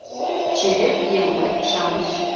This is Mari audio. Чевер еҥгай-шамыч